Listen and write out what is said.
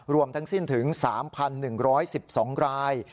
รวมทั้งสิ้นถึง๓๑๑๒ราย